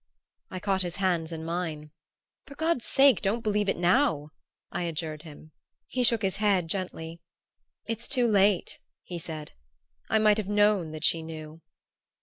I caught his hands in mine. "For God's sake don't believe it now!" I adjured him. He shook his head gently. "It's too late," he said. "I might have known that she knew."